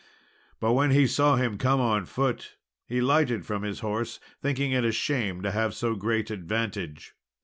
But when he saw him come on foot, he lighted from his horse, thinking it shame to have so great advantage.